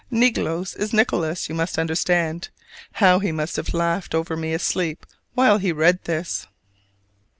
"Nilgoes" is "Nicholas," you must understand! How he must have laughed over me asleep while he read this!